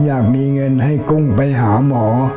อยากมีเงินให้กุ้งไปหาหมอ